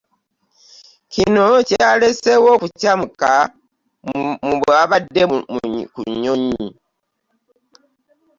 Kino kualeeseewo okucamuka mu baabadde ku nnyonyi